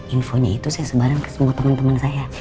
infonya itu saya sebarang semua teman teman saya